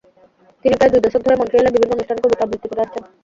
তিনি প্রায় দুই দশক ধরে মন্ট্রিয়েলের বিভিন্ন অনুষ্ঠানে কবিতা আবৃত্তি করে আসছেন।